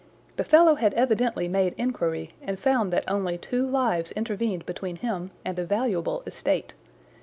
The fellow had evidently made inquiry and found that only two lives intervened between him and a valuable estate.